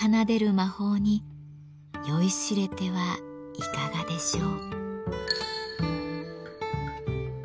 魔法に酔いしれてはいかがでしょう？